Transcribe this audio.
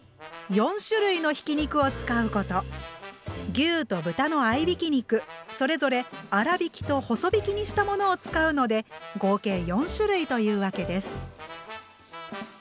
牛と豚の合いびき肉それぞれ粗びきと細びきにしたものを使うので合計４種類というわけです。